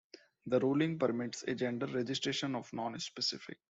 The ruling permits a gender registration of "non-specific".